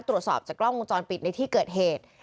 ตรวจสอบจากกล้องวงจรปิดในที่เกิดเหตุ